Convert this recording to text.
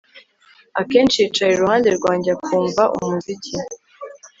Akenshi yicara iruhande rwanjye akumva umuziki